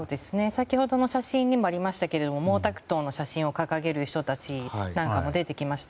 先ほどの写真にもありましたが毛沢東の写真を掲げる人たちなんかも出てきました。